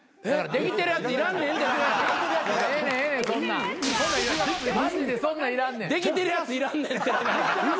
できてるやついらんねん。